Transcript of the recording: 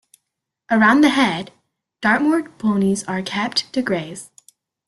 Around the head, Dartmoor ponies are kept to graze.